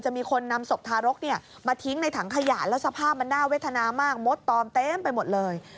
มีคนนำศพทารกมาทิ้งในถังขยะแล้วสภาพมันน่าเวทนามากมดตอมเต็มไปหมดเลย